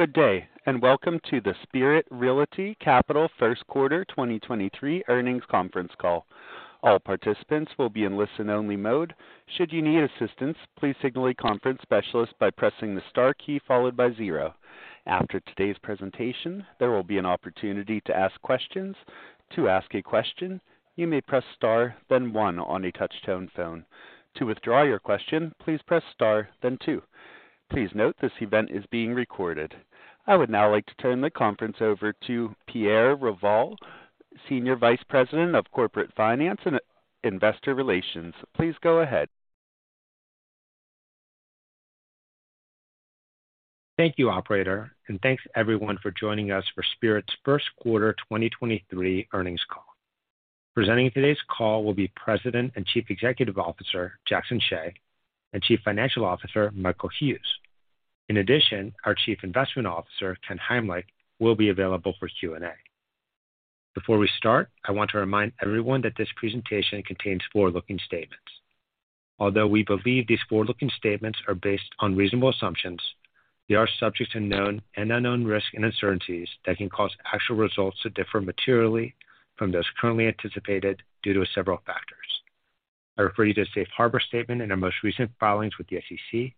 Good day, welcome to the Spirit Realty Capital First Quarter 2023 Earnings Conference Call. All participants will be in listen-only mode. Should you need assistance, please signal a conference specialist by pressing the Star key followed by 0. After today's presentation, there will be an opportunity to ask questions. To ask a question, you may press Star, then 1 on a touch-tone phone. To withdraw your question, please press Star, then 2. Please note, this event is being recorded. I would now like to turn the conference over to Pierre Revol, Senior Vice President of Corporate Finance and Investor Relations. Please go ahead. Thank you, operator, and thanks everyone for joining us for Spirit's first quarter 2023 earnings call. Presenting today's call will be President and Chief Executive Officer, Jackson Hsieh, and Chief Financial Officer, Michael Hughes. Our Chief Investment Officer, Ken Heimlich, will be available for Q&A. Before we start, I want to remind everyone that this presentation contains forward-looking statements. We believe these forward-looking statements are based on reasonable assumptions, they are subject to known and unknown risks and uncertainties that can cause actual results to differ materially from those currently anticipated due to several factors. I refer you to a Safe Harbor statement in our most recent filings with the SEC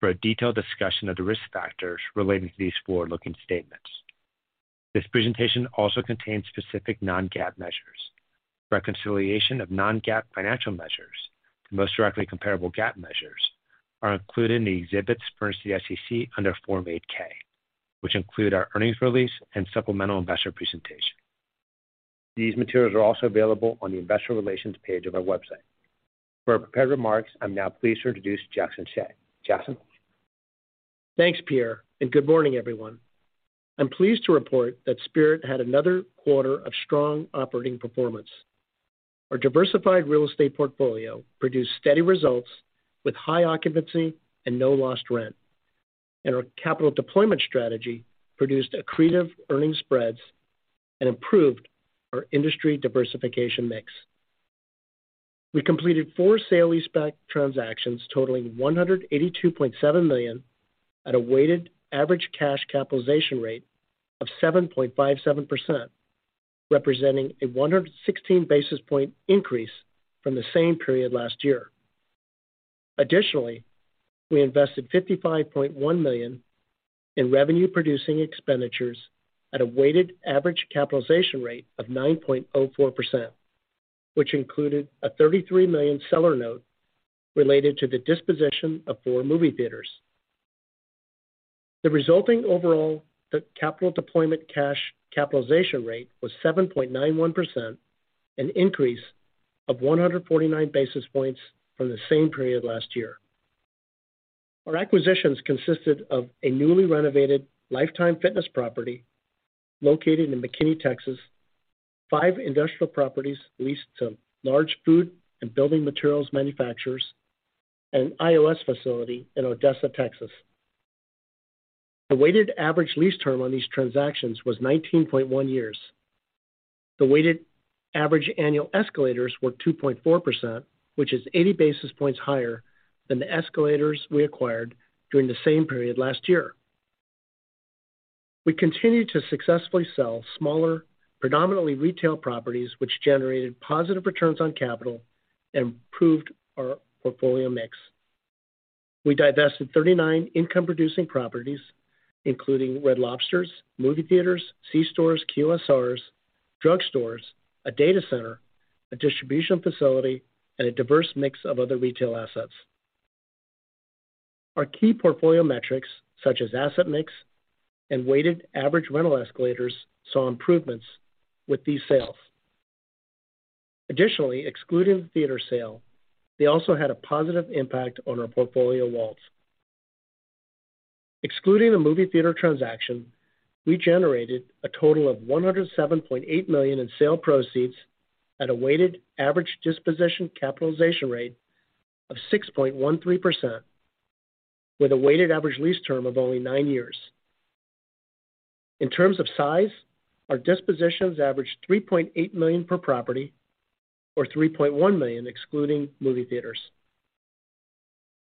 for a detailed discussion of the risk factors relating to these forward-looking statements. This presentation also contains specific non-GAAP measures. Reconciliation of non-GAAP financial measures to most directly comparable GAAP measures are included in the exhibits furnished to the SEC under Form 8-K, which include our earnings release and supplemental investor presentation. These materials are also available on the investor relations page of our website. For our prepared remarks, I'm now pleased to introduce Jackson Hsieh. Jackson. Thanks, Pierre. Good morning, everyone. I'm pleased to report that Spirit had another quarter of strong operating performance. Our diversified real estate portfolio produced steady results with high occupancy and no lost rent. Our capital deployment strategy produced accretive earning spreads and improved our industry diversification mix. We completed four sale-leaseback transactions totaling $182.7 million at a weighted average cash capitalization rate of 7.57%, representing a 106 basis point increase from the same period last year. Additionally, we invested $55.1 million in revenue producing expenditures at a weighted average capitalization rate of 9.4%, which included a $33 million seller note related to the disposition of four movie theaters. The resulting overall capital deployment cash capitalization rate was 7.91%, an increase of 149 basis points from the same period last year. Our acquisitions consisted of a newly renovated Life Time property located in McKinney, Texas, five industrial properties leased to large food and building materials manufacturers, and an ILS facility in Odessa, Texas. The weighted average lease term on these transactions was 19.1 years. The weighted average annual escalators were 2.4%, which is 80 basis points higher than the escalators we acquired during the same period last year. We continued to successfully sell smaller, predominantly retail properties, which generated positive returns on capital and improved our portfolio mix. We divested 39 income producing properties, including Red Lobsters, movie theaters, C-stores, QSRs, drugstores, a data center, a distribution facility, and a diverse mix of other retail assets. Our key portfolio metrics, such as asset mix and weighted average rental escalators, saw improvements with these sales. Excluding the theater sale, they also had a positive impact on our portfolio WALTs. Excluding the movie theater transaction, we generated a total of $107.8 million in sale proceeds at a weighted average disposition capitalization rate of 6.13%, with a weighted average lease term of only 9 years. In terms of size, our dispositions averaged $3.8 million per property, or $3.1 million excluding movie theaters.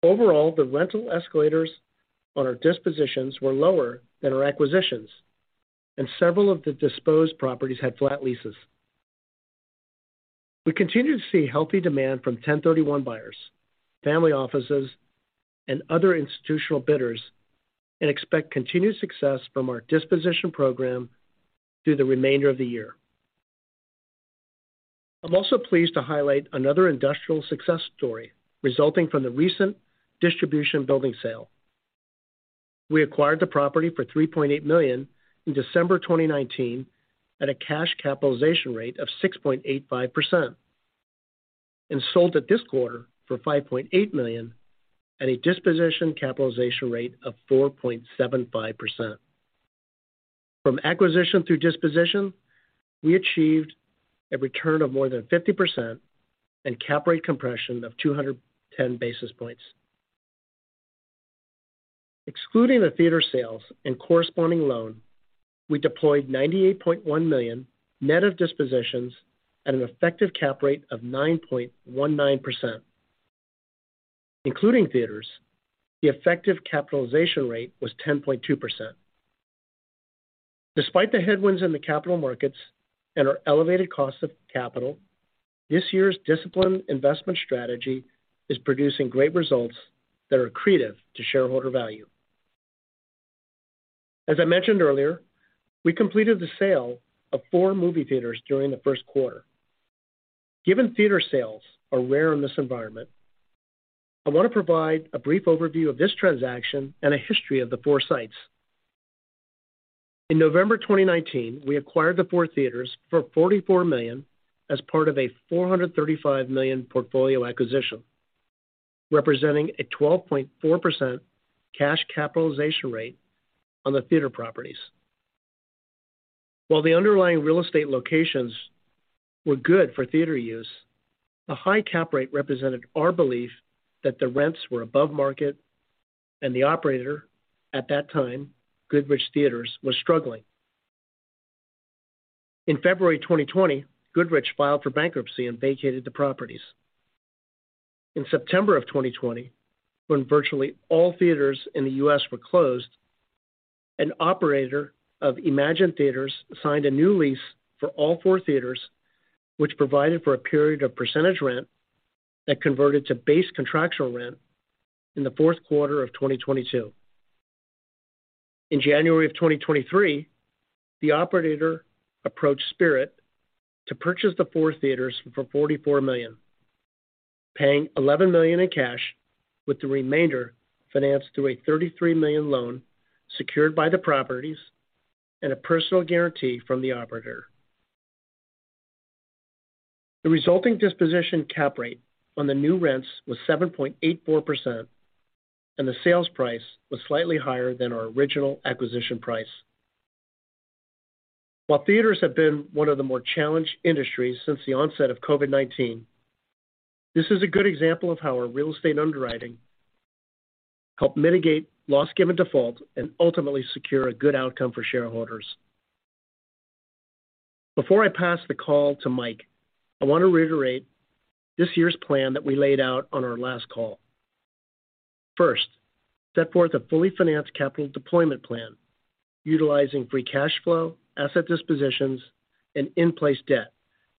The rental escalators on our dispositions were lower than our acquisitions, and several of the disposed properties had flat leases. We continue to see healthy demand from 1031 buyers, family offices, and other institutional bidders, and expect continued success from our disposition program through the remainder of the year. I'm also pleased to highlight another industrial success story resulting from the recent distribution building sale. We acquired the property for $3.8 million in December 2019 at a cash capitalization rate of 6.85% and sold it this quarter for $5.8 million at a disposition capitalization rate of 4.75%. From acquisition through disposition, we achieved a return of more than 50% and cap rate compression of 210 basis points. Excluding the theater sales and corresponding loan, we deployed $98.1 million net of dispositions at an effective cap rate of 9.19%. Including theaters, the effective capitalization rate was 10.2%. Despite the headwinds in the capital markets and our elevated cost of capital, this year's disciplined investment strategy is producing great results that are accretive to shareholder value. As I mentioned earlier, we completed the sale of four movie theaters during the first quarter. Given theater sales are rare in this environment, I want to provide a brief overview of this transaction and a history of the four sites. In November 2019, we acquired the four theaters for $44 million as part of a $435 million portfolio acquisition, representing a 12.4% cash capitalization rate on the theater properties. While the underlying real estate locations were good for theater use, a high cap rate represented our belief that the rents were above market and the operator at that time, Goodrich Quality Theaters, was struggling. In February 2020, Goodrich filed for bankruptcy and vacated the properties. In September of 2020, when virtually all theaters in the U.S. were closed, an operator of Emagine Entertainment signed a new lease for all 4 theaters, which provided for a period of percentage rent that converted to base contractual rent in the fourth quarter of 2022. In January of 2023, the operator approached Spirit to purchase the 4 theaters for $44 million, paying $11 million in cash with the remainder financed through a $33 million loan secured by the properties and a personal guarantee from the operator. The resulting disposition cap rate on the new rents was 7.84% and the sales price was slightly higher than our original acquisition price. While theaters have been one of the more challenged industries since the onset of COVID-19, this is a good example of how our real estate underwriting helped mitigate loss given default and ultimately secure a good outcome for shareholders. Before I pass the call to Mike, I want to reiterate this year's plan that we laid out on our last call. Set forth a fully financed capital deployment plan utilizing free cash flow, asset dispositions, and in-place debt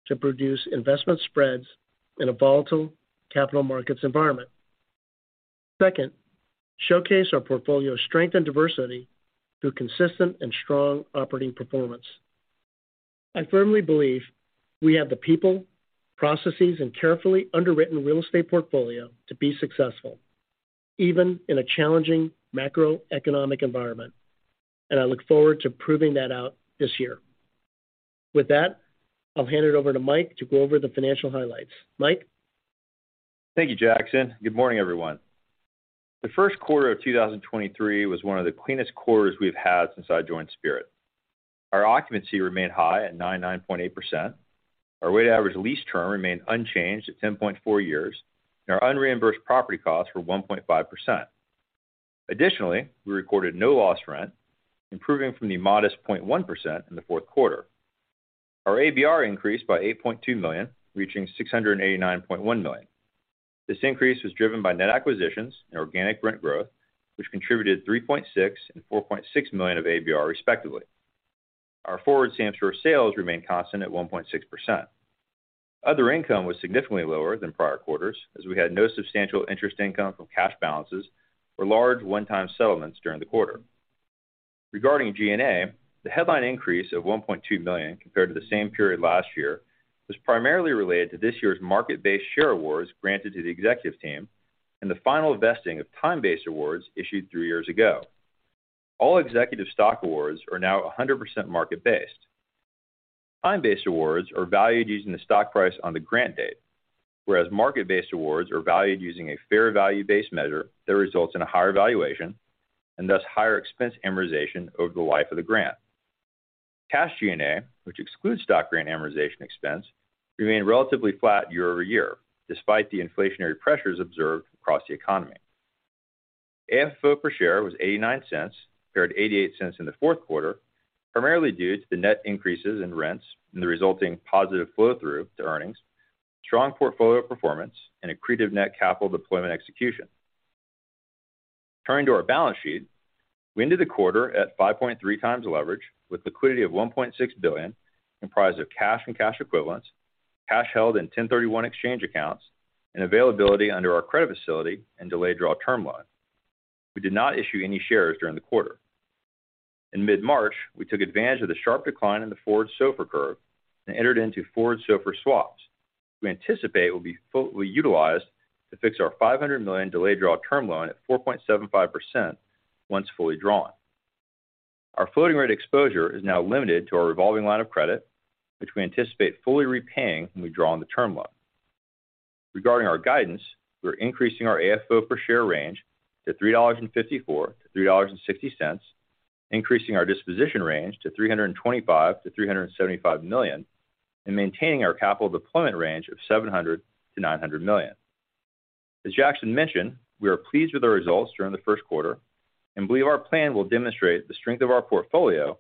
to produce investment spreads in a volatile capital markets environment. Showcase our portfolio strength and diversity through consistent and strong operating performance. I firmly believe we have the people, processes, and carefully underwritten real estate portfolio to be successful, even in a challenging macroeconomic environment. I look forward to proving that out this year. With that, I'll hand it over to Mike to go over the financial highlights. Mike. Thank you, Jackson. Good morning, everyone. The first quarter of 2023 was one of the cleanest quarters we've had since I joined Spirit. Our occupancy remained high at 99.8%. Our weighted average lease term remained unchanged at 10.4 years, and our unreimbursed property costs were 1.5%. Additionally, we recorded no loss rent, improving from the modest 0.1% in the fourth quarter. Our ABR increased by $8.2 million, reaching $689.1 million. This increase was driven by net acquisitions and organic rent growth, which contributed $3.6 million and $4.6 million of ABR respectively. Our forward same-store sales remained constant at 1.6%. Other income was significantly lower than prior quarters as we had no substantial interest income from cash balances or large one-time settlements during the quarter. Regarding G&A, the headline increase of $1.2 million compared to the same period last year was primarily related to this year's market-based share awards granted to the executive team and the final vesting of time-based awards issued three years ago. All executive stock awards are now 100% market-based. Time-based awards are valued using the stock price on the grant date, whereas market-based awards are valued using a fair value-based measure that results in a higher valuation and thus higher expense amortization over the life of the grant. Cash G&A, which excludes stock grant amortization expense, remained relatively flat year-over-year despite the inflationary pressures observed across the economy. AFFO per share was $0.89 compared to $0.88 in the fourth quarter, primarily due to the net increases in rents and the resulting positive flow through to earnings, strong portfolio performance, and accretive net capital deployment execution. Turning to our balance sheet, we ended the quarter at 5.3 times leverage with liquidity of $1.6 billion comprised of cash and cash equivalents, cash held in 1031 exchange accounts, and availability under our credit facility and delayed draw term loan. We did not issue any shares during the quarter. In mid-March, we took advantage of the sharp decline in the forward SOFR curve and entered into forward SOFR swaps. We anticipate will be fully utilized to fix our $500 million delayed draw term loan at 4.75% once fully drawn. Our floating rate exposure is now limited to our revolving line of credit, which we anticipate fully repaying when we draw on the term loan. Regarding our guidance, we're increasing our AFFO per share range to $3.54-$3.60, increasing our disposition range to $325 million-$375 million, and maintaining our capital deployment range of $700 million-$900 million. As Jackson mentioned, we are pleased with our results during the first quarter and believe our plan will demonstrate the strength of our portfolio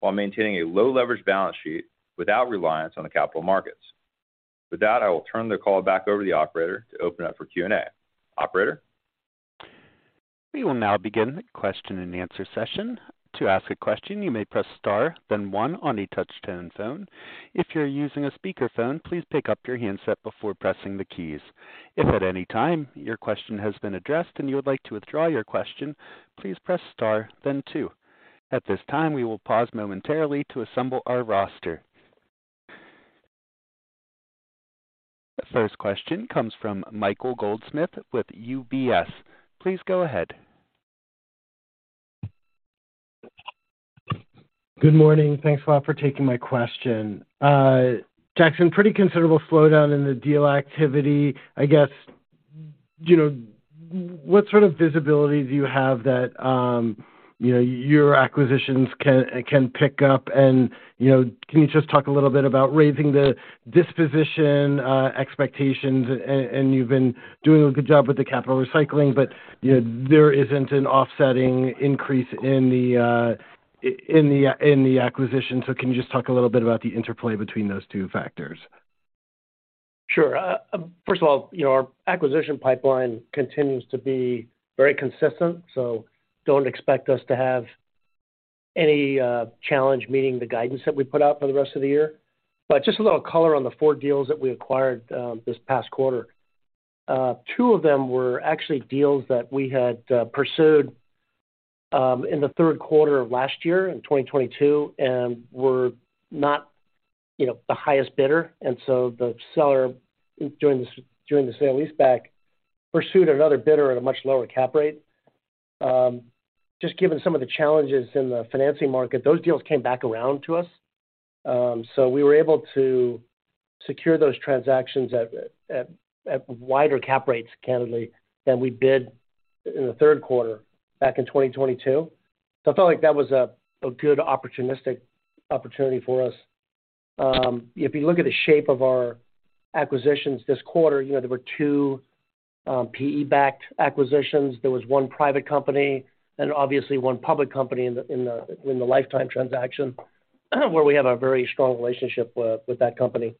While maintaining a low leverage balance sheet without reliance on the capital markets. With that, I will turn the call back over to the operator to open up for Q&A. Operator? We will now begin the question-and-answer session. To ask a question, you may press star then 1 on a touch-tone phone. If you're using a speakerphone, please pick up your handset before pressing the keys. If at any time your question has been addressed and you would like to withdraw your question, please press star then 2. At this time, we will pause momentarily to assemble our roster. First question comes from Michael Goldsmith with UBS. Please go ahead. Good morning. Thanks a lot for taking my question. Jackson, pretty considerable slowdown in the deal activity. I guess, you know, what sort of visibility do you have that, you know, your acquisitions can pick up and, you know, can you just talk a little bit about raising the disposition expectations and you've been doing a good job with the capital recycling, but, you know, there isn't an offsetting increase in the acquisition. Can you just talk a little bit about the interplay between those two factors? Sure. First of all, you know, our acquisition pipeline continues to be very consistent, so don't expect us to have any challenge meeting the guidance that we put out for the rest of the year. Just a little color on the 4 deals that we acquired this past quarter. 2 of them were actually deals that we had pursued in the 3rd quarter of last year in 2022, and we're not, you know, the highest bidder, and so the seller, during the sale-leaseback, pursued another bidder at a much lower cap rate. Just given some of the challenges in the financing market, those deals came back around to us. We were able to secure those transactions at wider cap rates, candidly, than we bid in the 3rd quarter back in 2022. I felt like that was a good opportunistic opportunity for us. If you look at the shape of our acquisitions this quarter, you know, there were two PE-backed acquisitions. There was one private company and obviously one public company in the Life Time transaction where we have a very strong relationship with that company.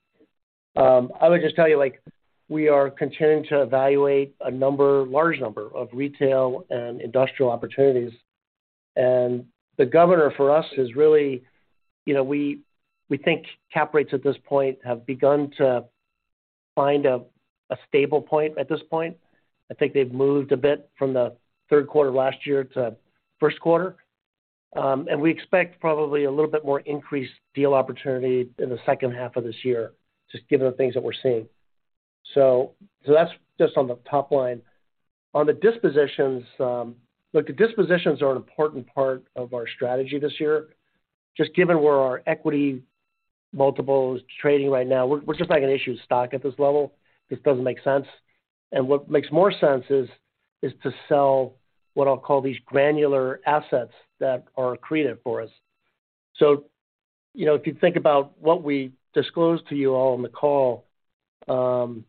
I would just tell you, like, we are continuing to evaluate a number, large number of retail and industrial opportunities. The governor for us is really, you know, we think cap rates at this point have begun to find a stable point at this point. I think they've moved a bit from the third quarter last year to first quarter. We expect probably a little bit more increased deal opportunity in the second half of this year, just given the things that we're seeing. That's just on the top line. On the dispositions, look, the dispositions are an important part of our strategy this year. Given where our equity multiple is trading right now, we're just not going to issue stock at this level. It doesn't make sense. What makes more sense is to sell what I'll call these granular assets that are accretive for us. You know, if you think about what we disclosed to you all on the call, you know,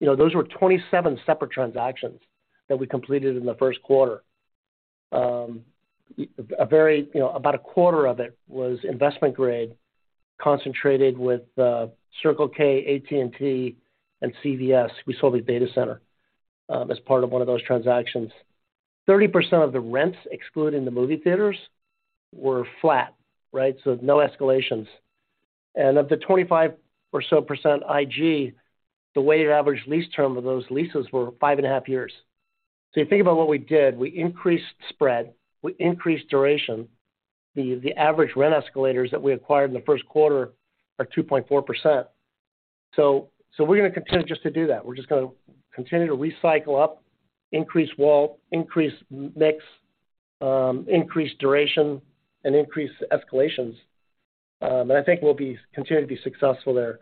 those were 27 separate transactions that we completed in the first quarter. A quarter of it was investment grade concentrated with Circle K, AT&T, and CVS. We sold a data center as part of one of those transactions. 30% of the rents excluding the movie theaters were flat, right, so no escalations. Of the 25% or so IG, the weighted average lease term of those leases were 5.5 years. You think about what we did, we increased spread, we increased duration. The average rent escalators that we acquired in the first quarter are 2.4%. We're going continue just to do that. We're just going to continue to recycle up, increase wallet, increase mix, increase duration, and increase escalations. I think we'll be continuing to be successful there.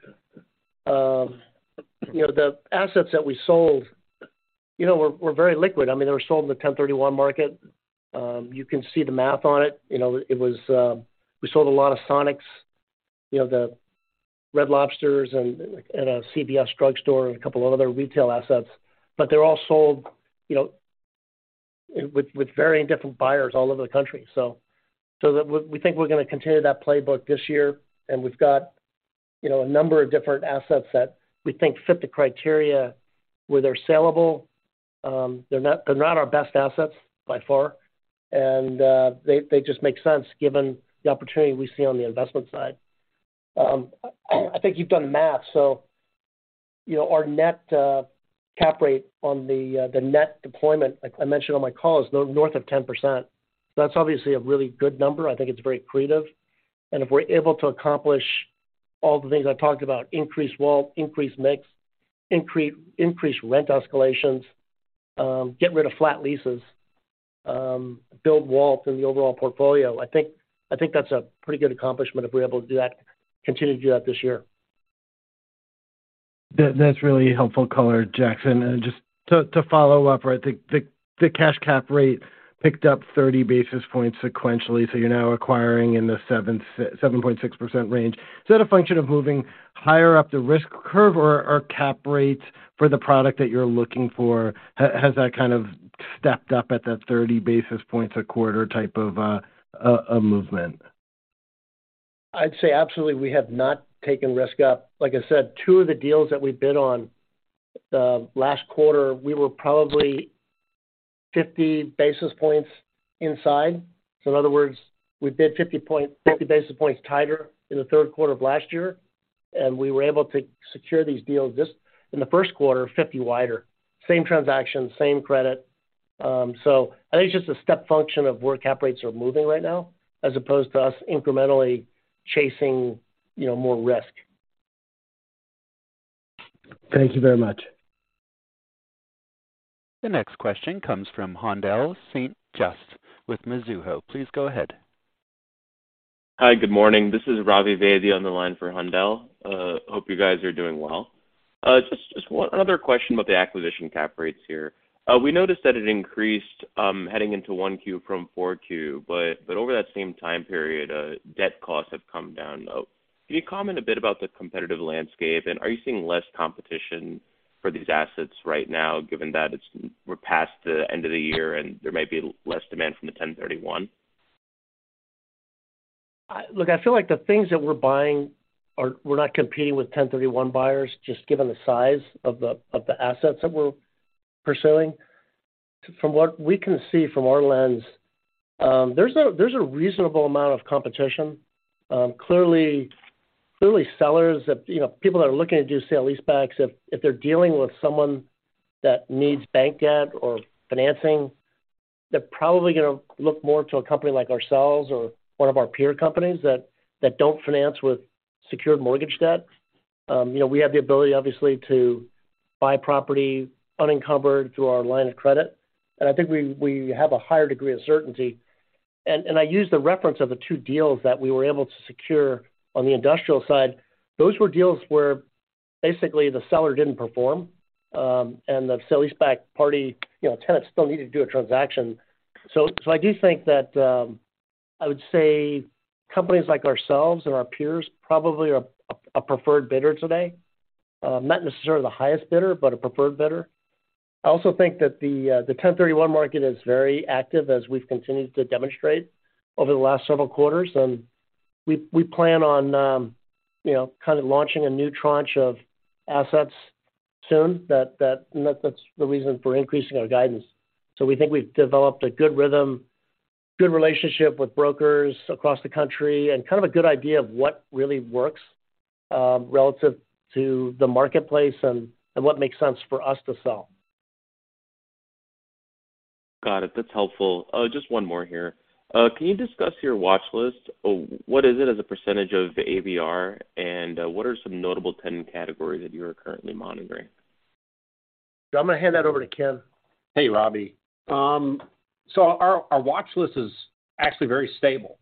You know, the assets that we sold, you know, were very liquid. I mean, they were sold in the 1031 market. You can see the math on it. You know, it was. We sold a lot of Sonics, you know, the Red Lobster and a CVS drugstore and a couple of other retail assets, but they're all sold, you know, with varying different buyers all over the country. We think we're going to continue that playbook this year, and we've got, you know, a number of different assets that we think fit the criteria where they're sellable. They're not our best assets by far, and they just make sense given the opportunity we see on the investment side. I think you've done the math, so you know, our net cap rate on the net deployment, like I mentioned on my call, is North of 10%. That's obviously a really good number. I think it's very accretive. If we're able to accomplish all the things I talked about, increase wallet, increase mix, increase rent escalations, get rid of flat leases, build wallet in the overall portfolio, I think that's a pretty good accomplishment if we're able to do that, continue to do that this year. That's really helpful color, Jackson. Just to follow up, right? The cash cap rate picked up 30 basis points sequentially, so you're now acquiring in the 7.6% range. Is that a function of moving higher up the risk curve or cap rates for the product that you're looking for? Has that kind of stepped up at that 30 basis points a quarter type of movement? I'd say absolutely we have not taken risk up. Like I said, two of the deals that we bid on, last quarter, we were probably 50 basis points inside. In other words, we bid 50 basis points tighter in the third quarter of last year, and we were able to secure these deals just in the first quarter, 50 wider. Same transaction, same credit. I think it's just a step function of where cap rates are moving right now, as opposed to us incrementally chasing, you know, more risk. Thank you very much. The next question comes from Haendel St. Juste with Mizuho. Please go ahead. Hi. Good morning. This is Ravi Bulchandani on the line for Haendel St. Juste. Hope you guys are doing well. Just one other question about the acquisition cap rates here. We noticed that it increased heading into 1 Q from 4 Q, but over that same time period, debt costs have come down. Can you comment a bit about the competitive landscape, and are you seeing less competition for these assets right now, given that we're past the end of the year and there may be less demand from the 1031? Look, I feel like the things that we're buying, we're not competing with 1031 buyers, just given the size of the assets that we're pursuing. From what we can see from our lens, there's a reasonable amount of competition. Clearly, you know, people that are looking to do sale-leasebacks, if they're dealing with someone that needs bank debt or financing, they're probably going to look more to a company like ourselves or one of our peer companies that don't finance with secured mortgage debt. You know, we have the ability, obviously, to buy property unencumbered through our line of credit, and I think we have a higher degree of certainty. I use the reference of the two deals that we were able to secure on the industrial side. Those were deals where basically the seller didn't perform, and the sale-leaseback party, you know, tenants still needed to do a transaction. I do think that I would say companies like ourselves and our peers probably are a preferred bidder today. Not necessarily the highest bidder, a preferred bidder. I also think that the 1031 market is very active, as we've continued to demonstrate over the last several quarters. We plan on, you know, kind of launching a new tranche of assets soon and that's the reason for increasing our guidance. We think we've developed a good rhythm, good relationship with brokers across the country and kind of a good idea of what really works, relative to the marketplace and what makes sense for us to sell. Got it. That's helpful. Just one more here. Can you discuss your watch list? What is it as a % of ABR, and, what are some notable tenant categories that you are currently monitoring? I'm going to hand that over to Ken. Hey, Ravi. Our watch list is actually very stable.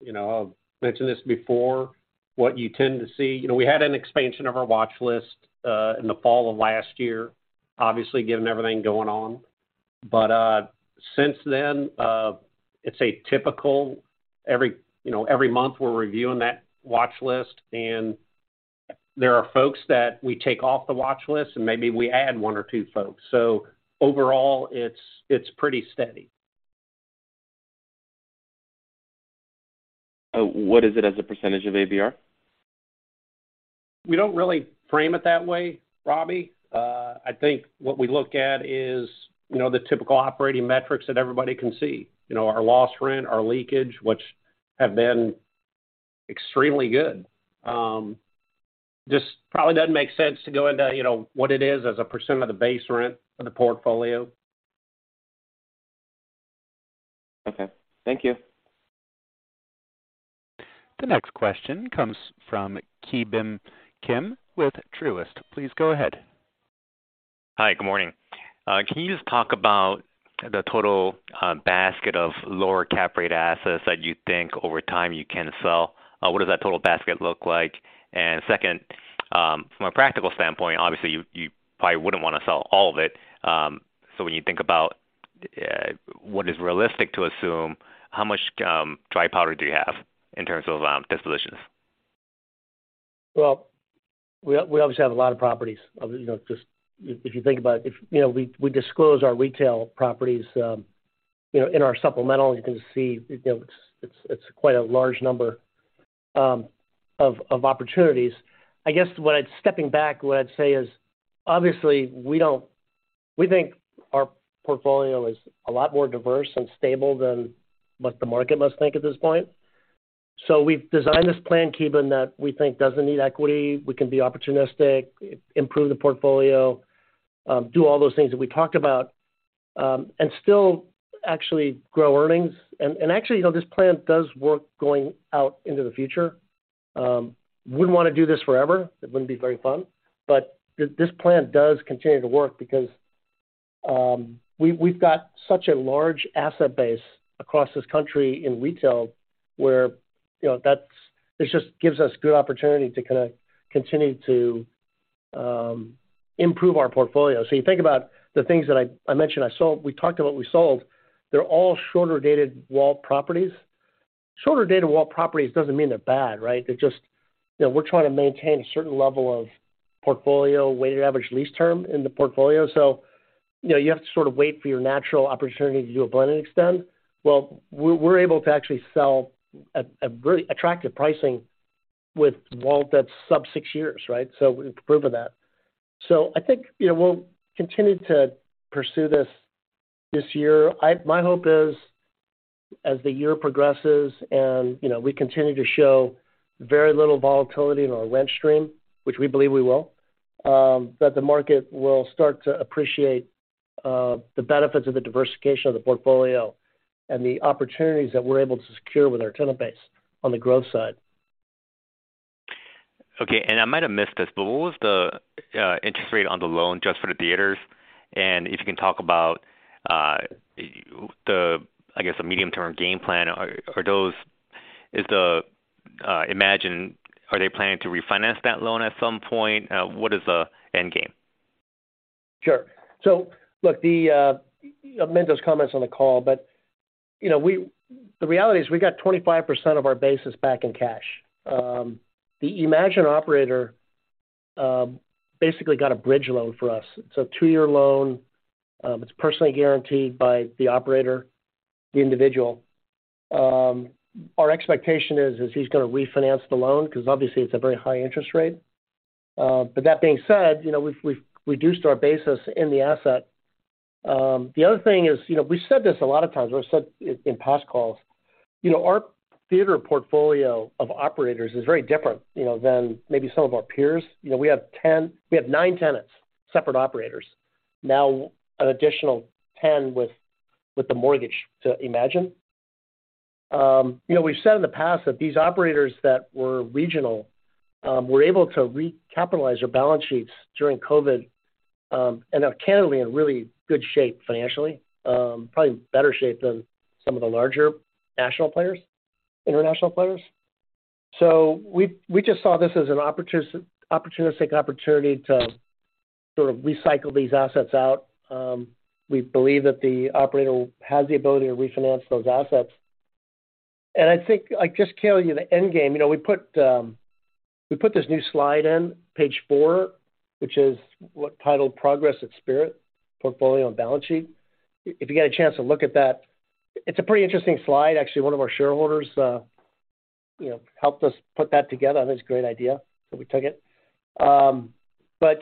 You know, I've mentioned this before, what you tend to see. You know, we had an expansion of our watch list in the fall of last year, obviously, given everything going on. Since then, it's a typical every, you know, every month we're reviewing that watch list and there are folks that we take off the watch list and maybe we add one or two folks. Overall it's pretty steady. What is it as a % of ABR? We don't really frame it that way, Ravi. I think what we look at is, you know, the typical operating metrics that everybody can see. You know, our loss rent, our leakage, which have been extremely good. Just probably doesn't make sense to go into, you know, what it is as a % of the base rent of the portfolio. Okay. Thank you. The next question comes from Ki Bin Kim with Truist. Please go ahead. Hi. Good morning. Can you just talk about the total basket of lower cap rate assets that you think over time you can sell? What does that total basket look like? Second, from a practical standpoint, obviously you probably wouldn't wanna sell all of it, so when you think about what is realistic to assume, how much dry powder do you have in terms of dispositions? Well, we obviously have a lot of properties. You know, just if you think about it, if. You know, we disclose our retail properties, you know, in our supplemental, you can see, you know, it's quite a large number of opportunities. I guess stepping back, what I'd say is, obviously, we think our portfolio is a lot more diverse and stable than what the market must think at this point. We've designed this plan, Ki Bin, that we think doesn't need equity. We can be opportunistic, improve the portfolio, do all those things that we talked about, and still actually grow earnings. Actually, you know, this plan does work going out into the future. Wouldn't wanna do this forever, it wouldn't be very fun, but this plan does continue to work because we've got such a large asset base across this country in retail where, you know, that's this just gives us good opportunity to kinda continue to improve our portfolio. You think about the things that I mentioned. We talked about what we sold, they're all shorter-dated WALT properties. Shorter date to WALT properties doesn't mean they're bad, right? They're just, you know, we're trying to maintain a certain level of portfolio weighted average lease term in the portfolio. You know, you have to sort of wait for your natural opportunity to do a blend and extend. We're able to actually sell at very attractive pricing with WALT that's sub 6 years, right? We've proven that. I think, you know, we'll continue to pursue this year. My hope is as the year progresses and, you know, we continue to show very little volatility in our rent stream, which we believe we will, that the market will start to appreciate the benefits of the diversification of the portfolio and the opportunities that we're able to secure with our tenant base on the growth side. Okay. I might have missed this, but what was the interest rate on the loan just for the theaters? If you can talk about the, I guess the medium-term game plan. Are those is the Emagine Are they planning to refinance that loan at some point? What is the end game? Sure. Look, I'll amend those comments on the call, but, you know, the reality is we got 25% of our basis back in cash. The Emagine operator basically got a bridge loan for us. It's a 2-year loan. It's personally guaranteed by the operator, the individual. Our expectation is he's gonna refinance the loan because obviously it's a very high interest rate. But that being said, you know, we've reduced our basis in the asset. The other thing is, you know, we've said this a lot of times, we've said it in past calls, you know, our theater portfolio of operators is very different, you know, than maybe some of our peers. You know, we have 9 tenants, separate operators. Now, an additional 10 with the mortgage to Emagine. You know, we've said in the past that these operators that were regional, were able to recapitalize their balance sheets during COVID, and are currently in really good shape financially, probably better shape than some of the larger national players, international players. We, we just saw this as an opportunistic opportunity to sort of recycle these assets out. We believe that the operator has the ability to refinance those assets. I think, like, just carry you the end game. You know, we put this new slide in, page 4, which is what titled Progress at Spirit Portfolio and Balance Sheet. If you get a chance to look at that, it's a pretty interesting slide. Actually, one of our shareholders, you know, helped us put that together. I think it's a great idea, so we took it.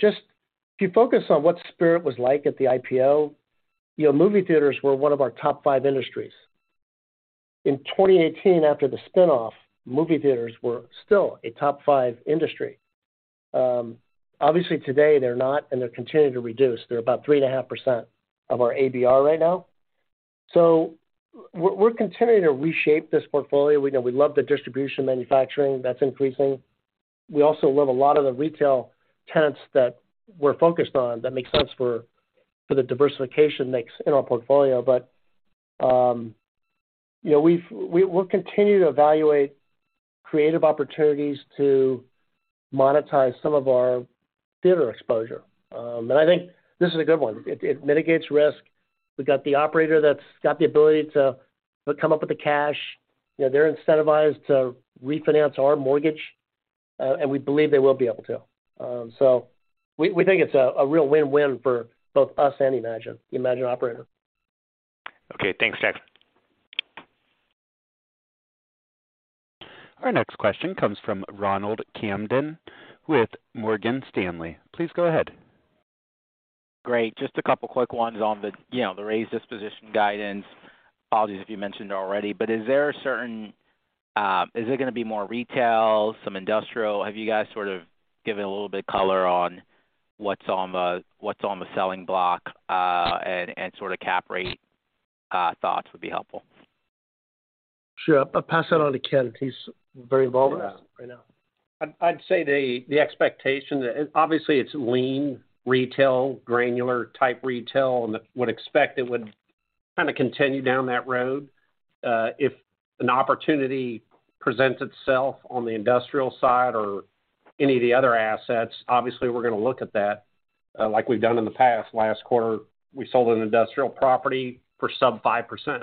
Just if you focus on what Spirit was like at the IPO, you know, movie theaters were 1 of our top 5 industries. In 2018, after the spin-off, movie theaters were still a top 5 industry. Obviously today they're not, they're continuing to reduce. They're about 3.5% of our ABR right now. We're continuing to reshape this portfolio. We know we love the distribution manufacturing, that's increasing. We also love a lot of the retail tenants that we're focused on that make sense for the diversification makes in our portfolio. You know, we'll continue to evaluate creative opportunities to monetize some of our theater exposure. I think this is a good one. It mitigates risk. We've got the operator that's got the ability to come up with the cash. You know, they're incentivized to refinance our mortgage. We believe they will be able to. We, we think it's a real win-win for both us and Emagine, the Emagine operator. Okay. Thanks, Jackson. Our next question comes from Ronald Kamdem with Morgan Stanley. Please go ahead. Great. Just 2 quick ones on the, you know, the raise disposition guidance. Apologies if you mentioned already, but is there a certain? Is there gonna be more retail, some industrial? Have you guys sort of given a little bit color on what's on the selling block, and sort of cap rate thoughts would be helpful? Sure. I'll pass that on to Ken. He's very involved with this right now. Yeah. I'd say the expectation that obviously it's lean retail, granular type retail, and would expect it would kind of continue down that road. If an opportunity presents itself on the industrial side or any of the other assets, obviously, we're going to look at that, like we've done in the past. Last quarter, we sold an industrial property for sub 5%,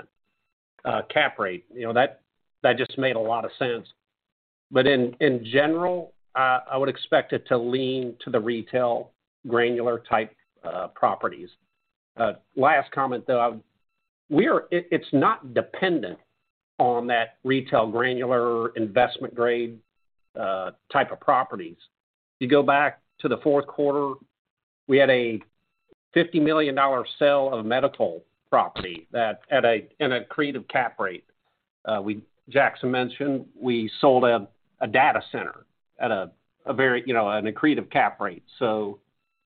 cap rate. You know, that just made a lot of sense. In general, I would expect it to lean to the retail granular type properties. Last comment, though. It's not dependent on that retail granular investment grade type of properties. You go back to the fourth quarter, we had a $50 million sale of a medical property that at a, in an accretive cap rate. Jackson mentioned we sold a data center at a very, you know, an accretive cap rate.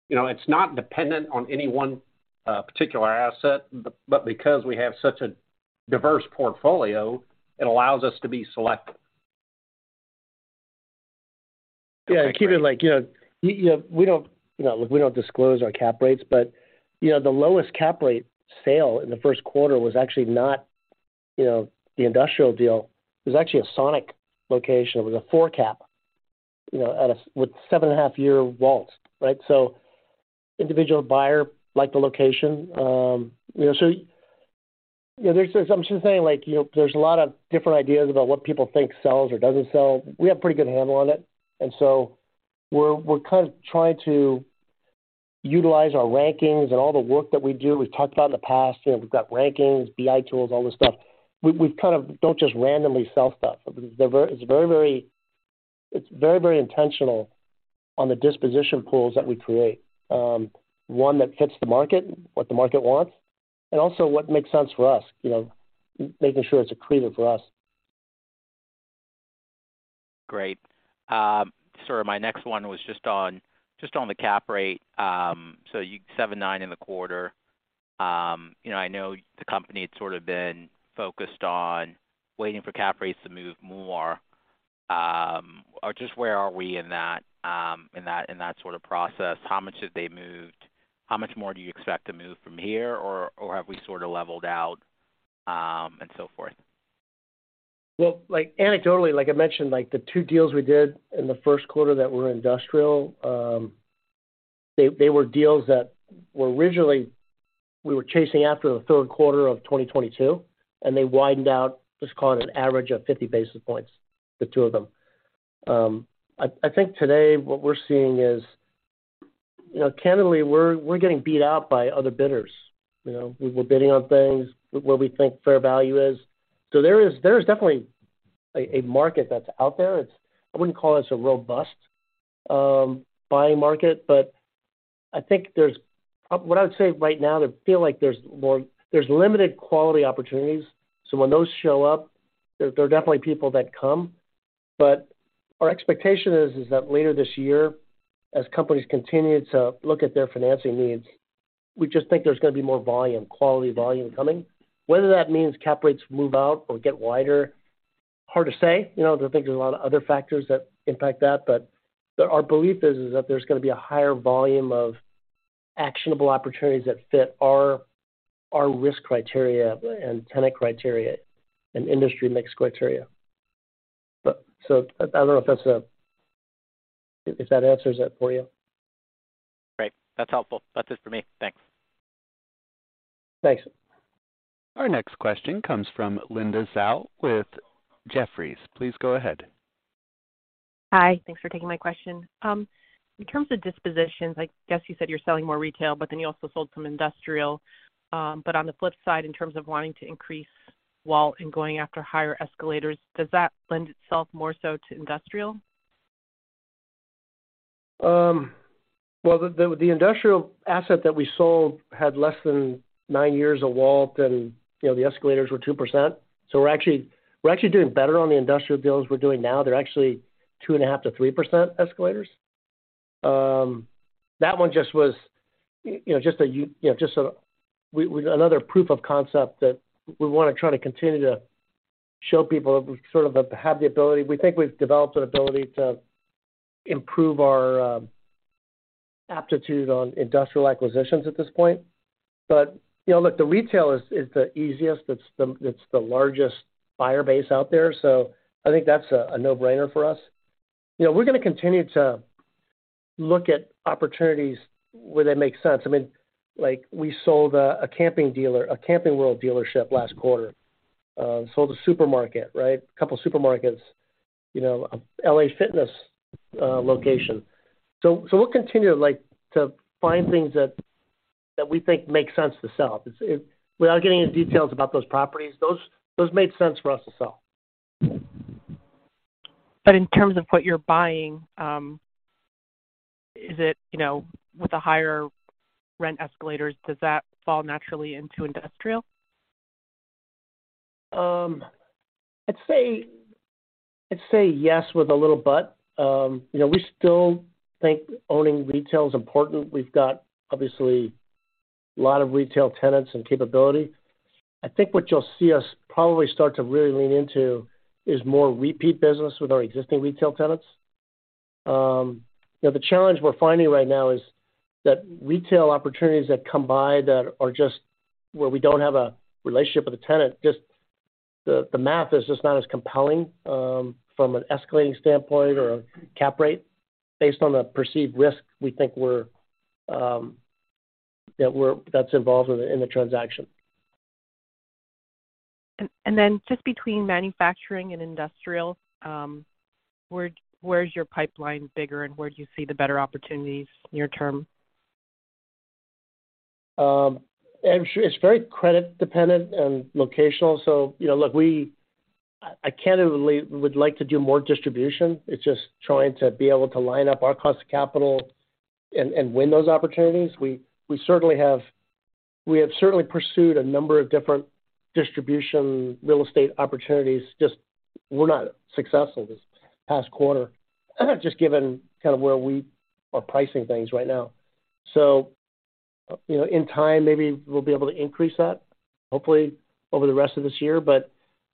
You know, it's not dependent on any one particular asset, but because we have such a diverse portfolio, it allows us to be selective. Yeah. Keep in, we don't disclose our cap rates, but the lowest cap rate sale in the first quarter was actually not the industrial deal. It was actually a Sonic location. It was a 4 cap with 7.5 year WALT, right? Individual buyer liked the location. There's, as I'm saying, there's a lot of different ideas about what people think sells or doesn't sell. We have pretty good handle on it, we're kind of trying to utilize our rankings and all the work that we do. We've talked about in the past, we've got rankings, BI tools, all this stuff. We kind of don't just randomly sell stuff. It's very... It's very, very intentional on the disposition pools that we create. One that fits the market, what the market wants, and also what makes sense for us. You know, making sure it's accretive for us. Great. Sir, my next one was just on the cap rate. 7.9% in the quarter. You know, I know the company had sort of been focused on waiting for cap rates to move more. Where are we in that, in that sort of process? How much have they moved? How much more do you expect to move from here? Have we sort of leveled out, and so forth? Well, like anecdotally, like I mentioned, like the two deals we did in the first quarter that were industrial, they were deals that were originally we were chasing after the third quarter of 2022, and they widened out just call it an average of 50 basis points, the two of them. I think today what we're seeing is, you know, candidly, we're getting beat out by other bidders. You know, we were bidding on things where we think fair value is. There is definitely a market that's out there. I wouldn't call this a robust buying market, but I think there's. What I would say right now, I feel like there's more limited quality opportunities. When those show up, there are definitely people that come. Our expectation is that later this year, as companies continue to look at their financing needs, we just think there's going to be more volume, quality volume coming. Whether that means cap rates move out or get wider, hard to say. You know, I think there's a lot of other factors that impact that. Our belief is that there's going to be a higher volume of actionable opportunities that fit our risk criteria and tenant criteria and industry mix criteria. I don't know. If that answers that for you. Great. That's helpful. That's it for me. Thanks. Thanks. Our next question comes from Linda Tsai with Jefferies. Please go ahead. Hi. Thanks for taking my question. In terms of dispositions, I guess you said you're selling more retail, but then you also sold some industrial. On the flip side, in terms of wanting to increase WALT and going after higher escalators, does that lend itself more so to industrial? Well, the industrial asset that we sold had less than 9 years of WALT, and, you know, the escalators were 2%. We're actually doing better on the industrial deals we're doing now. They're actually 2.5%-3% escalators. That one just was, you know, just another proof of concept that we want to try to continue to show people we sort of have the ability. We think we've developed an ability to improve our aptitude on industrial acquisitions at this point. You know, look, the retail is the easiest. It's the largest buyer base out there. I think that's a no-brainer for us. You know, we're going to continue to look at opportunities where they make sense. I mean, like, we sold a Camping World dealership last quarter. Sold a supermarket, right? A couple supermarkets. You know, a LA Fitness location. We'll continue, like, to find things that we think make sense to sell. Without getting into details about those properties, those made sense for us to sell. In terms of what you're buying, is it, you know, with the higher rent escalators, does that fall naturally into industrial? I'd say yes with a little but. You know, we still think owning retail is important. We've got obviously a lot of retail tenants and capability. I think what you'll see us probably start to really lean into is more repeat business with our existing retail tenants. You know, the challenge we're finding right now is that retail opportunities that come by that are just where we don't have a relationship with a tenant, just the math is just not as compelling, from an escalating standpoint or a cap rate based on the perceived risk we think we're that's involved in the transaction. Just between manufacturing and industrial, where is your pipeline bigger and where do you see the better opportunities near term? I'm sure it's very credit dependent and locational. You know, look, I candidly would like to do more distribution. It's just trying to be able to line up our cost of capital and win those opportunities. We have certainly pursued a number of different distribution real estate opportunities, just we're not successful this past quarter, just given kind of where we are pricing things right now. You know, in time, maybe we'll be able to increase that hopefully over the rest of this year.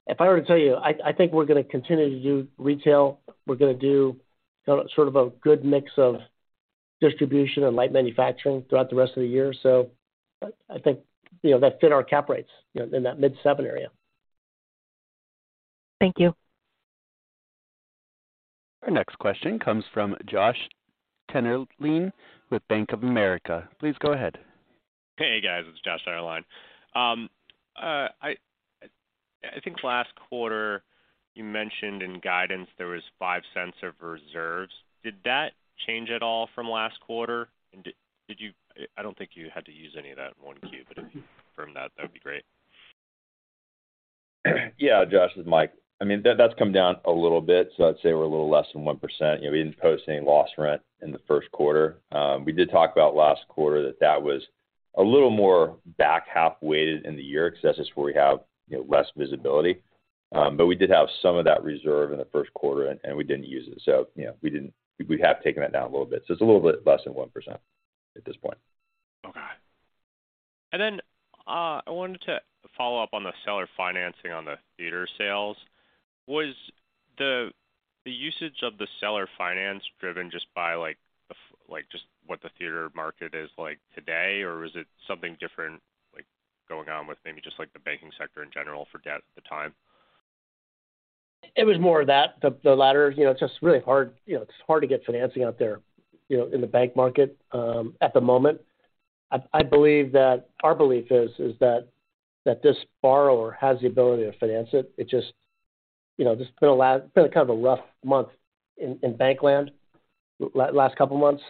If I were to tell you, I think we're going to continue to do retail. We're going to do sort of a good mix of distribution and light manufacturing throughout the rest of the year. I think, you know, that fit our cap rates in that mid 7% area. Thank you. Our next question comes from Joshua Dennerlein with Bank of America. Please go ahead. Hey, guys, it's Joshua Dennerlein. I think last quarter you mentioned in guidance there was $0.05 of reserves. Did that change at all from last quarter? Did you I don't think you had to use any of that in Q1, but if you confirm that would be great. Yeah. Joshua, it's Michael. I mean, that's come down a little bit, so I'd say we're a little less than 1%. You know, we didn't post any loss rent in the first quarter. We did talk about last quarter that that was a little more back half weighted in the year because that's just where we have, you know, less visibility. We did have some of that reserve in the first quarter, and we didn't use it. You know, we didn't. We have taken that down a little bit, so it's a little bit less than 1% at this point. Okay. I wanted to follow up on the seller financing on the theater sales. Was the usage of the seller finance driven just by like the theater market is like today? Or was it something different, like, going on with maybe just like the banking sector in general for debt at the time? It was more of that, the latter. You know, it's just really hard. You know, it's hard to get financing out there, you know, in the bank market, at the moment. I believe that our belief is that this borrower has the ability to finance it. It just, you know, just been a kind of a rough month in bank land last couple months.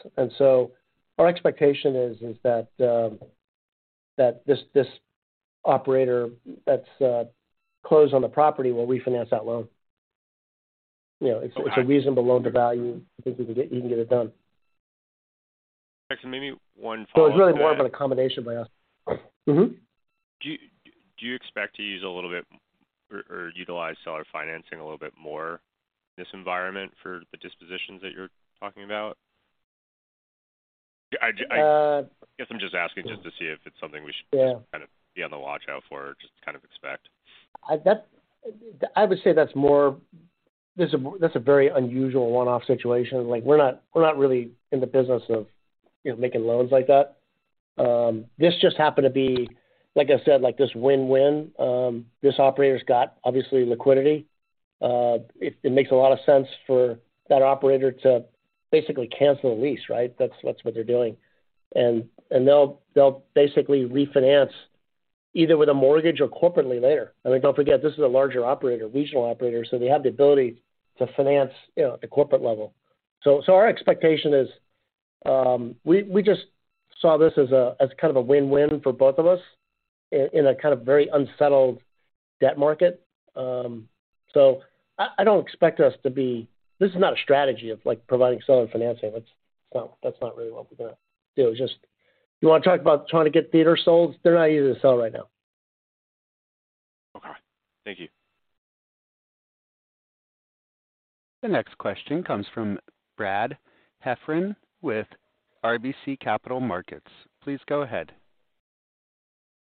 Our expectation is that this operator that's closed on the property will refinance that loan. You know, it's a reasonable loan-to-value. I think you can get, you can get it done. Actually, maybe one follow to that. It's really more of an accommodation by us. Do you expect to use a little bit or utilize seller financing a little bit more in this environment for the dispositions that you're talking about? Uh. I guess I'm just asking just to see if it's something we should. Yeah kind of be on the watch out for or just kind of expect. I would say that's more... that's a very unusual one-off situation. Like, we're not, we're not really in the business of, you know, making loans like that. This just happened to be, like I said, like this win-win. This operator's got obviously liquidity. It makes a lot of sense for that operator to basically cancel the lease, right? That's, that's what they're doing. They'll basically refinance either with a mortgage or corporately later. I mean, don't forget, this is a larger operator, regional operator, so they have the ability to finance, you know, at the corporate level. Our expectation is, we just saw this as kind of a win-win for both of us in a kind of very unsettled debt market. I don't expect us to be... This is not a strategy of, like, providing seller financing. That's not really what we're gonna do. Just, you wanna talk about trying to get theater sold? They're not easy to sell right now. Okay. Thank you. The next question comes from Brad Heffern with RBC Capital Markets. Please go ahead.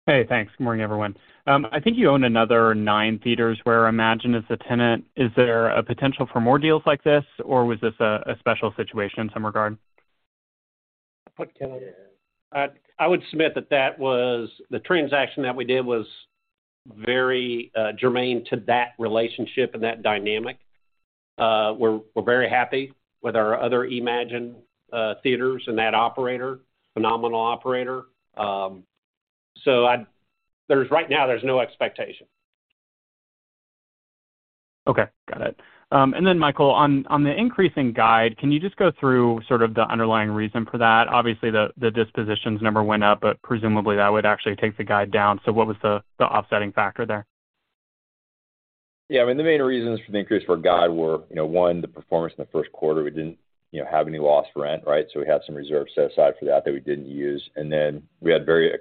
Hey, thanks. Good morning, everyone. I think you own another nine theaters where Emagine is the tenant. Is there a potential for more deals like this, or was this a special situation in some regard? I would submit that the transaction that we did was very germane to that relationship and that dynamic. We're very happy with our other Emagine theaters and that operator, phenomenal operator. Right now there's no expectation. Okay. Got it. Then Michael, on the increasing guide, can you just go through sort of the underlying reason for that? Obviously, the dispositions number went up, but presumably that would actually take the guide down. What was the offsetting factor there? Yeah. I mean, the main reasons for the increase for our guide were, you know, one, the performance in the first quarter. We didn't, you know, have any lost rent, right? We had some reserves set aside for that we didn't use. Then we had very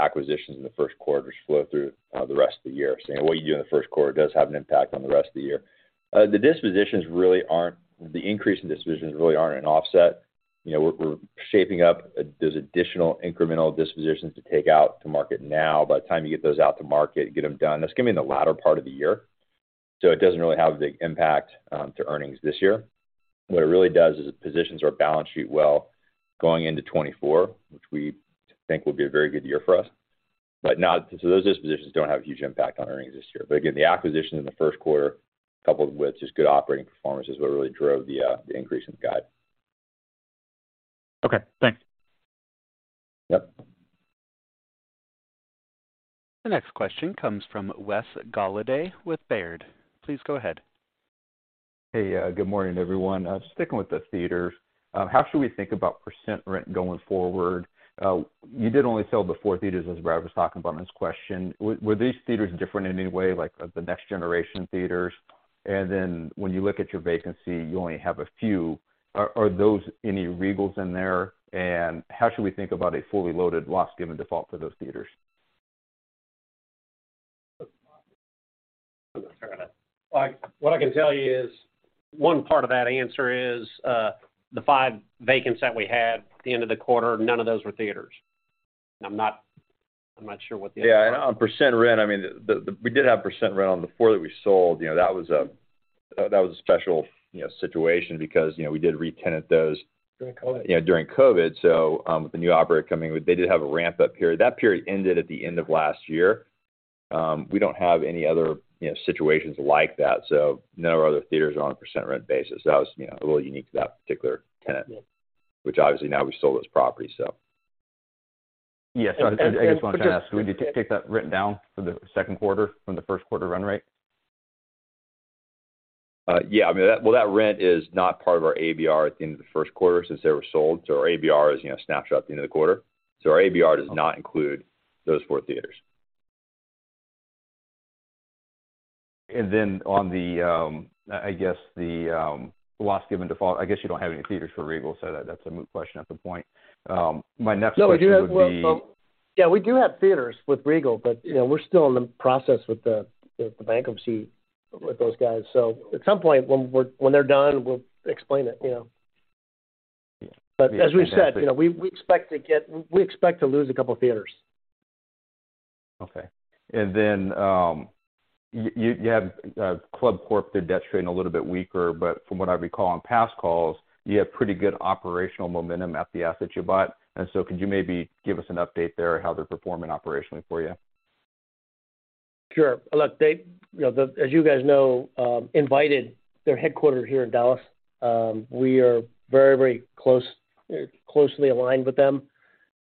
accretive acquisitions in the first quarter just flow through the rest of the year. You know, what you do in the first quarter does have an impact on the rest of the year. The increase in dispositions really aren't an offset. You know, we're shaping up those additional incremental dispositions to take out to market now. By the time you get those out to market and get them done, that's gonna be in the latter part of the year, so it doesn't really have a big impact to earnings this year. What it really does is it positions our balance sheet well going into 2024, which we think will be a very good year for us. Those dispositions don't have a huge impact on earnings this year. Again, the acquisition in the first quarter, coupled with just good operating performance, is what really drove the increase in the guide. Okay, thanks. Yep. The next question comes from Wesley Golladay with Baird. Please go ahead. Hey, good morning, everyone. Sticking with the theaters, how should we think about percent rent going forward? You did only sell the 4 theaters, as Brad was talking about in his question. Were these theaters different in any way, like, the next generation theaters? When you look at your vacancy, you only have a few. Are those any Regals in there? How should we think about a fully loaded loss given default for those theaters? What I can tell you is, one part of that answer is, the five vacant that we had at the end of the quarter, none of those were theaters. I'm not sure. Yeah. On percent rent, I mean, we did have percent rent on the four that we sold. You know, that was a That was a special, you know, situation because, you know, we did retenant. During COVID. you know, during COVID. With the new operator coming, they did have a ramp-up period. That period ended at the end of last year. We don't have any other, you know, situations like that, so none of our other theaters are on a percent rent basis. That was, you know, a little unique to that particular tenant. Yeah. Which obviously now we sold as property, so. Yeah. I just wanted to ask, would you take that rent down for the second quarter from the first quarter run rate? Yeah. I mean, Well, that rent is not part of our ABR at the end of the first quarter since they were sold. Our ABR is, you know, a snapshot at the end of the quarter. Our ABR does not include those four theaters. On the, I guess the, loss given default, I guess you don't have any theaters for Regal, so that's a moot question at the point. My next question would be. No, we do have. Well, yeah, we do have theaters with Regal, but, you know, we're still in the process with the bankruptcy with those guys. At some point when they're done, we'll explain it, you know. Yeah. As we've said, you know, we expect to lose a couple theaters. Okay. Then, you have ClubCorp, their debt trading a little bit weaker, but from what I recall on past calls, you have pretty good operational momentum at the assets you bought. Could you maybe give us an update there how they're performing operationally for you? Sure. Look, they, you know, as you guys know, Invited, they're headquartered here in Dallas. We are very, very close, closely aligned with them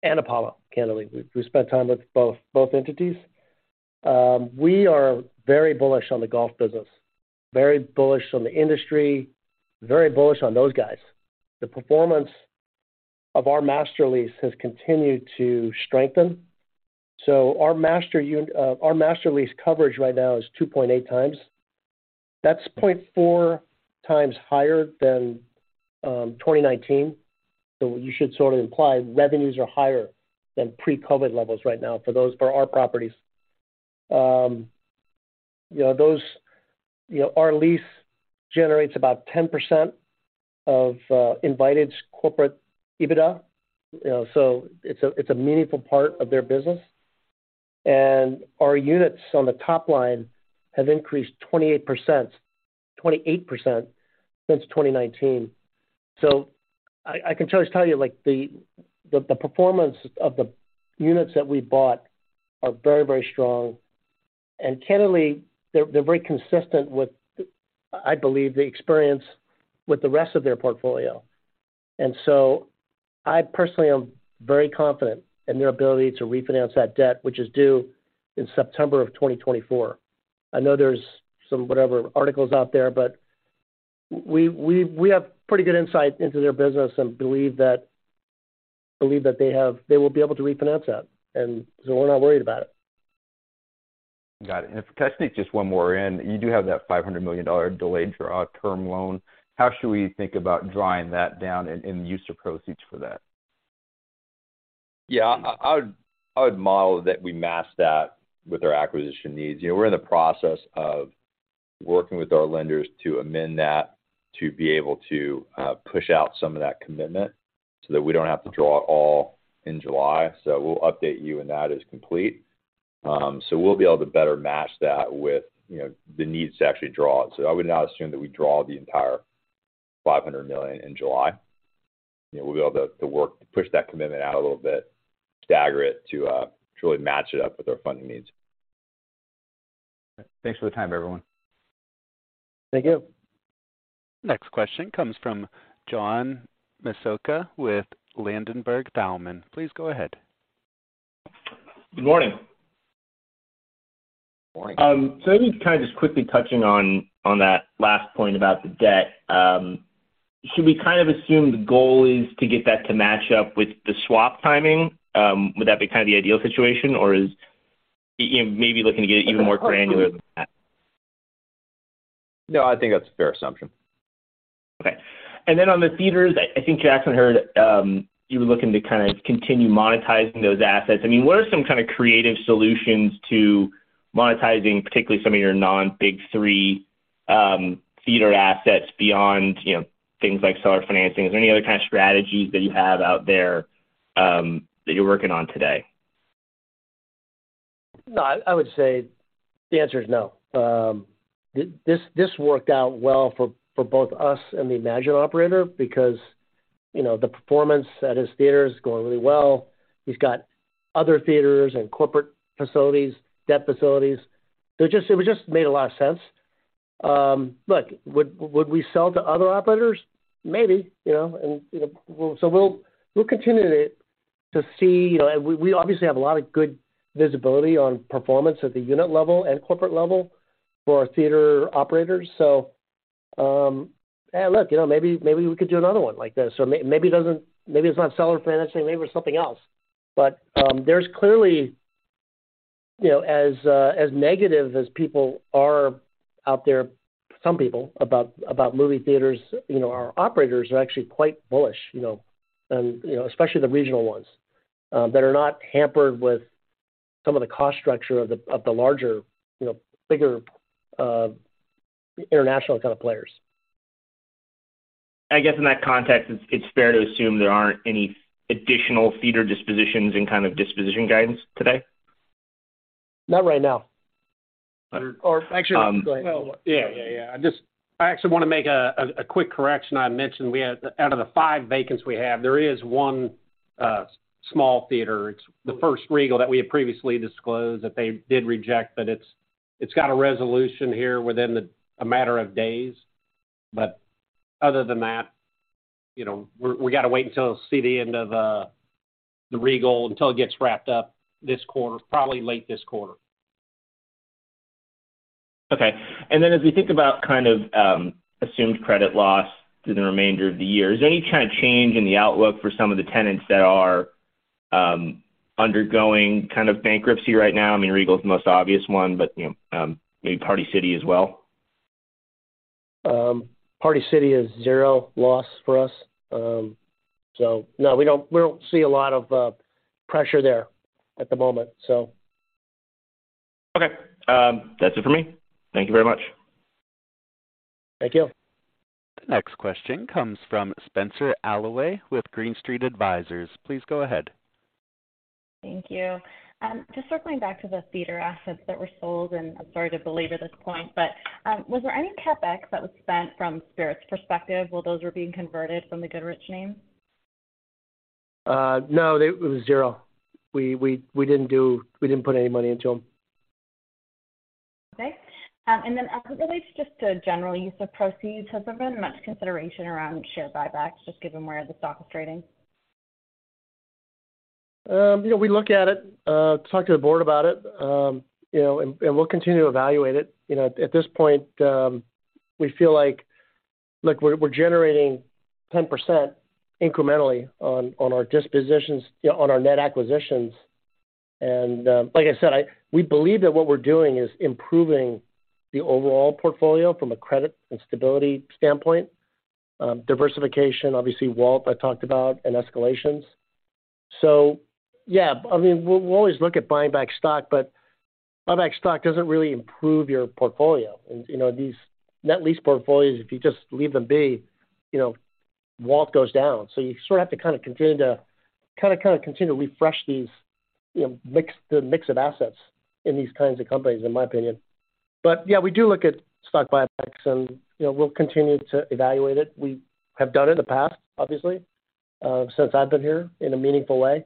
and Apollo, candidly. We spent time with both entities. We are very bullish on the golf business, very bullish on the industry, very bullish on those guys. The performance of our master lease has continued to strengthen. Our master lease coverage right now is 2.8 times. That's 0.4 times higher than 2019. You should sort of imply revenues are higher than pre-COVID levels right now for our properties. You know, those, you know, our lease generates about 10% of Invited's corporate EBITDA, you know, it's a meaningful part of their business. Our units on the top line have increased 28%, 28% since 2019. I can always tell you, like, the performance of the units that we bought are very, very strong. Candidly, they're very consistent with, I believe, the experience with the rest of their portfolio. I personally am very confident in their ability to refinance that debt, which is due in September of 2024. I know there's some, whatever, articles out there, but we have pretty good insight into their business and believe that they will be able to refinance that. We're not worried about it. Got it. If I could sneak just one more in. You do have that $500 million delayed draw term loan. How should we think about drawing that down and the use of proceeds for that? Yeah. I would model that we match that with our acquisition needs. You know, we're in the process of working with our lenders to amend that to be able to push out some of that commitment so that we don't have to draw it all in July. We'll update you when that is complete. We'll be able to better match that with, you know, the needs to actually draw it. I would not assume that we draw the entire $500 million in July. You know, we'll be able to work to push that commitment out a little bit, stagger it to really match it up with our funding needs. Thanks for the time, everyone. Thank you. Next question comes from John Massocca with Ladenburg Thalmann. Please go ahead. Good morning. Morning. Maybe kind of just quickly touching on that last point about the debt. Should we kind of assume the goal is to get that to match up with the swap timing? Would that be kind of the ideal situation? Or is you maybe looking to get even more granular than that? No, I think that's a fair assumption. Okay. Then on the theaters, I think, Jackson, heard, you were looking to kind of continue monetizing those assets. I mean, what are some kind of creative solutions to monetizing particularly some of your non-big three, theater assets beyond, you know, things like seller financing? Is there any other kind of strategies that you have out there, that you're working on today? No, I would say the answer is no. This worked out well for both us and the Emagine operator because, you know, the performance at his theater is going really well. He's got other theaters and corporate facilities, debt facilities. It just made a lot of sense. Look, would we sell to other operators? Maybe, you know. You know, we'll continue to see, you know... We obviously have a lot of good visibility on performance at the unit level and corporate level for our theater operators. Hey, look, you know, maybe we could do another one like this. Maybe it's not seller financing, maybe it's something else. There's clearly, you know, as negative as people are out there, some people about movie theaters, you know, our operators are actually quite bullish, you know, and, you know, especially the regional ones, that are not hampered with some of the cost structure of the larger, you know, bigger, international kind of players. I guess in that context, it's fair to assume there aren't any additional theater dispositions and kind of disposition guidance today? Not right now. Actually, go ahead. Well, yeah, yeah. I actually wanna make a quick correction. I mentioned out of the five vacants we have, there is one small theater. It's the first Regal that we had previously disclosed that they did reject, but it's got a resolution here within a matter of days. Other than that, you know, we're, we gotta wait until we see the end of the Regal until it gets wrapped up this quarter, probably late this quarter. Okay. As we think about kind of assumed credit loss through the remainder of the year, is there any kind of change in the outlook for some of the tenants that are undergoing kind of bankruptcy right now? I mean, Regal is the most obvious one, but, you know, maybe Party City as well. Party City is 0 loss for us. No, we don't, we don't see a lot of pressure there at the moment, so. Okay. That's it for me. Thank you very much. Thank you. The next question comes from Spenser Allaway with Green Street Advisors. Please go ahead. Thank you. Just circling back to the theater assets that were sold, and I'm sorry to belabor this point, but, was there any CapEx that was spent from Spirit's perspective while those were being converted from the Goodrich name? No, it was zero. We didn't put any money into them. Okay. Then as it relates just to general use of proceeds, has there been much consideration around share buybacks, just given where the stock is trading? You know, we look at it, talk to the board about it, you know, we'll continue to evaluate it. You know, at this point, Look, we're generating 10% incrementally on our dispositions, you know, on our net acquisitions. Like I said, we believe that what we're doing is improving the overall portfolio from a credit and stability standpoint. Diversification, obviously, WALT, I talked about, and escalations. Yeah, I mean, we'll always look at buying back stock, but buying back stock doesn't really improve your portfolio. You know, these net lease portfolios, if you just leave them be, you know, WALT goes down. You sort of have to kind of continue to refresh these, you know, the mix of assets in these kinds of companies, in my opinion. Yeah, we do look at stock buybacks, and, you know, we'll continue to evaluate it. We have done it in the past, obviously, since I've been here in a meaningful way.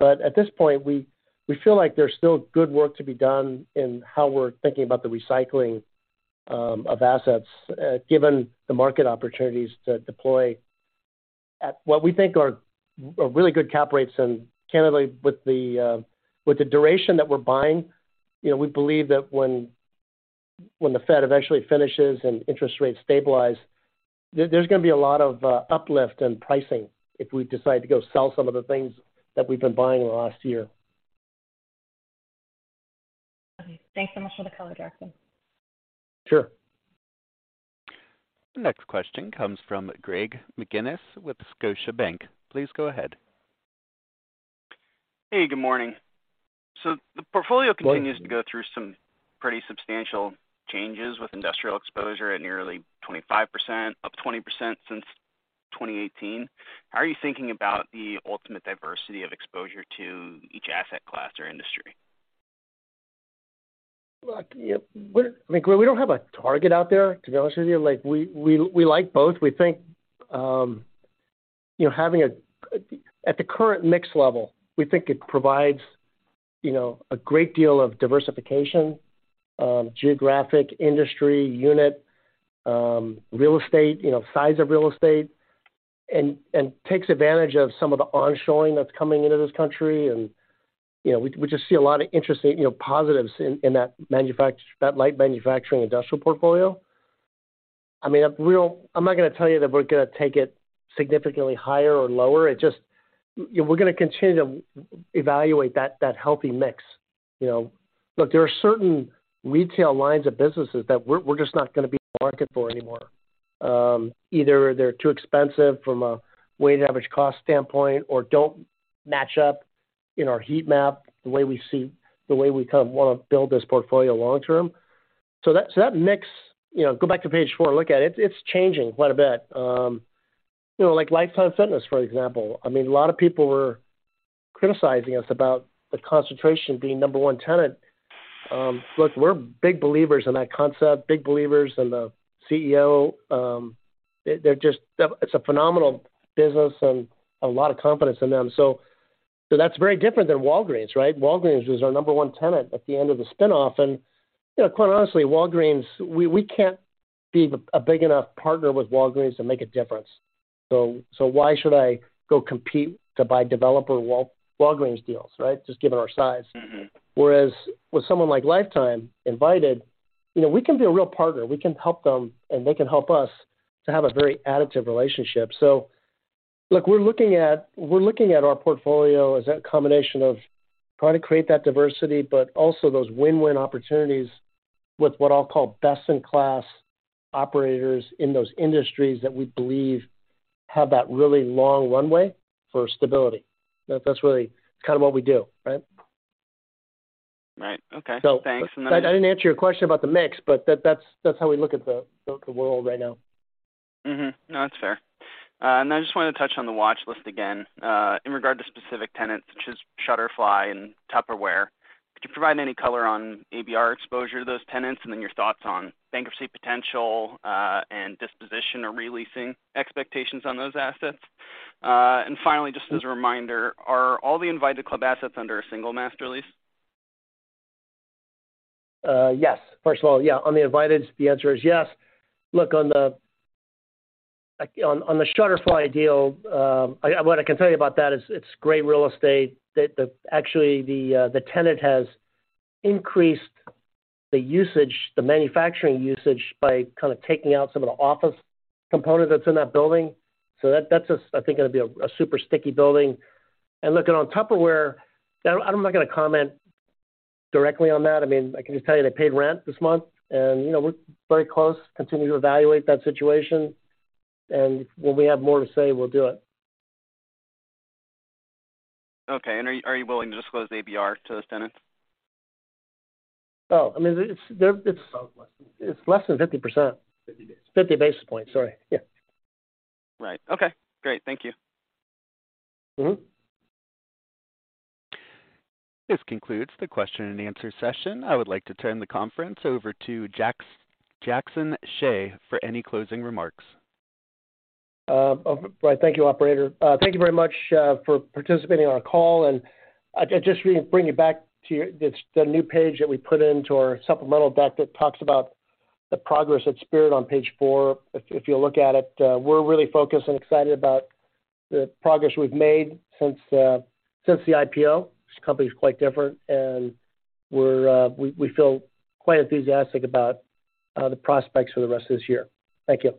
At this point, we feel like there's still good work to be done in how we're thinking about the recycling of assets, given the market opportunities to deploy at what we think are really good cap rates. Candidly, with the, with the duration that we're buying, you know, we believe that when the Fed eventually finishes and interest rates stabilize, there's gonna be a lot of uplift in pricing if we decide to go sell some of the things that we've been buying in the last year. Thanks so much for the color, Jackson. Sure. The next question comes from Greg McGinniss with Scotiabank. Please go ahead. Hey, good morning. The portfolio. Morning. continues to go through some pretty substantial changes with industrial exposure at nearly 25%, up 20% since 2018. How are you thinking about the ultimate diversity of exposure to each asset class or industry? Look, you know, I mean, Greg, we don't have a target out there, to be honest with you. Like, we like both. We think, you know, At the current mix level, we think it provides, you know, a great deal of diversification, geographic, industry, unit, real estate, you know, size of real estate, and takes advantage of some of the onshoring that's coming into this country. You know, we just see a lot of interesting, you know, positives in that light manufacturing industrial portfolio. I mean, I'm not gonna tell you that we're gonna take it significantly higher or lower. You know, we're gonna continue to evaluate that healthy mix, you know. Look, there are certain retail lines of businesses that we're just not going to be in the market for anymore. Either they're too expensive from a weighted average cost standpoint or don't match up in our heat map, the way we kind of want to build this portfolio long term. That mix, you know, go back to page 4 and look at it. It's changing quite a bit. You know, like Life Time, for example. I mean, a lot of people were criticizing us about the concentration being number 1 tenant. Look, we're big believers in that concept, big believers in the CEO. It's a phenomenal business and a lot of confidence in them. That's very different than Walgreens, right? Walgreens was our number 1 tenant at the end of the spin-off. You know, quite honestly, Walgreens, we can't be a big enough partner with Walgreens to make a difference. Why should I go compete to buy developer Walgreens deals, right? Just given our size. Mm-hmm. Whereas with someone like Life Time, Invited, you know, we can be a real partner. We can help them, and they can help us to have a very additive relationship. Look, we're looking at our portfolio as that combination of trying to create that diversity, but also those win-win opportunities with what I'll call best-in-class operators in those industries that we believe have that really long runway for stability. That's really kind of what we do, right? Okay. Thanks. I didn't answer your question about the mix, but that's how we look at the world right now. Mm-hmm. No, that's fair. I just wanted to touch on the watchlist again, in regard to specific tenants such as Shutterfly and Tupperware. Could you provide any color on ABR exposure to those tenants and then your thoughts on bankruptcy potential, and disposition or re-leasing expectations on those assets? Finally, just as a reminder, are all the Invited Club assets under a single master lease? Yes. First of all, yeah, on the Invited, the answer is yes. Look, on the Shutterfly deal, what I can tell you about that is it's great real estate. Actually the tenant has increased the usage, the manufacturing usage by kind of taking out some of the office component that's in that building. That, that's, I think gonna be a super sticky building. Look on Tupperware, I'm not gonna comment directly on that. I mean, I can just tell you they paid rent this month and, you know, we're very close, continuing to evaluate that situation. When we have more to say, we'll do it. Okay. Are you willing to disclose ABR to those tenants? Oh, I mean, it's, they're, it's less than 50%. 50 basis points. 50 basis points. Sorry. Yeah. Right. Okay, great. Thank you. Mm-hmm. This concludes the question and answer session. I would like to turn the conference over to Jackson Hsieh for any closing remarks. Right. Thank you, operator. Thank you very much for participating on our call. Just really bring you back to the new page that we put into our supplemental deck that talks about the progress at Spirit on page 4. If you look at it, we're really focused and excited about the progress we've made since the IPO. This company is quite different and we feel quite enthusiastic about the prospects for the rest of this year. Thank you.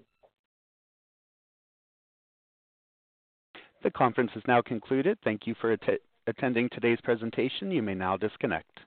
The conference is now concluded. Thank you for attending today's presentation. You may now disconnect.